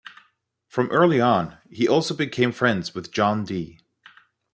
From early on, he also became friends with John Dee.